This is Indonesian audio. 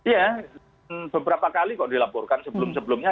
ya beberapa kali kok dilaporkan sebelum sebelumnya